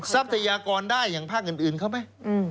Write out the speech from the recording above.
สรรพเศคฯได้อย่างภาคอีสานน์อื่นเขาไม่